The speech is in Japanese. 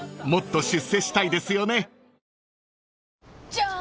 じゃーん！